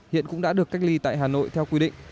hiện cũng đã được cách ly tại hà nội theo quy định